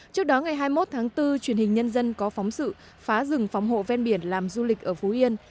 trước đó ngày hai mươi một tháng bốn truyền hình nhân dân có phóng sự phá rừng phòng hộ ven biển làm du lịch ở phú yên